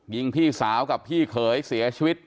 ยิงพี่สาวกับพี่เขยเสียชีวิต